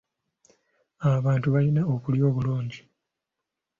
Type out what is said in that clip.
Abantu balina okulya obulungi.